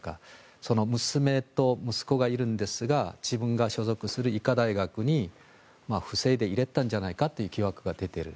娘と息子がいるんですが自分が所属する医科大学に不正で入れてたんじゃないかという疑惑が出ている。